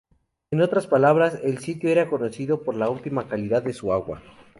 En otras palabras, el sitio era conocido por la óptima calidad de su agua.